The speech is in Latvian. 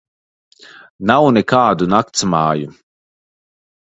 Nav nekādu naktsmāju.